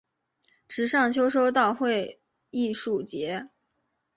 池上秋收稻穗艺术节